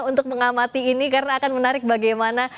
untuk mengamati ini karena akan menarik bagaimana